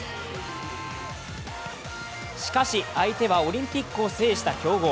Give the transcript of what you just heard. しかし、相手はオリンピックを制した強豪。